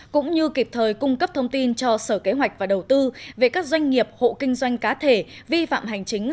cũng như kịp thời cung cấp thông tin cho sở kế hoạch và đầu tư về các doanh nghiệp hộ kinh doanh cá thể vi phạm hành chính